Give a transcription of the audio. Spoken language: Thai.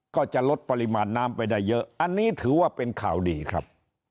ก็จะลดปริมาณน้ำไปได้เยอะอันนี้ถือว่าเป็นข่าวดีครับ